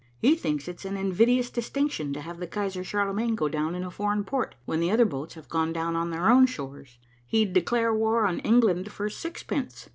He thinks it's an invidious distinction to have the Kaiser Charlemagne go down in a foreign port, when the other boats have gone down on their own shores. He'd declare war on England for sixpence.